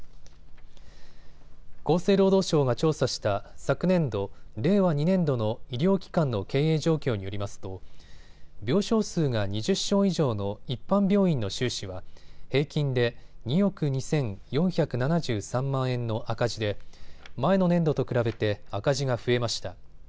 厚生労働省が調査した昨年度令和２年度の医療機関の経営状況によりますと病床数が２０床以上の一般病院の収支は平均で２億２４７３万円の赤字で前の年度と比べて赤字が増えました。